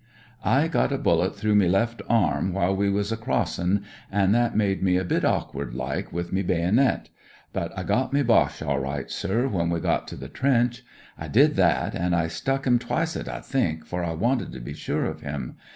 I got a bullet through me left arm while we was crossin', an' that made me a bit awkward like wi' me baynit. But I got me Boche all right, sir, when we got to the trench— I did that, an' I stuck him twicet I did, for I wanted to be sure of him.